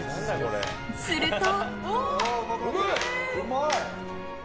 すると。